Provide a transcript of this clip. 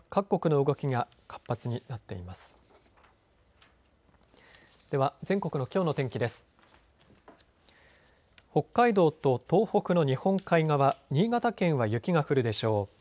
北海道と東北の日本海側、新潟県は雪が降るでしょう。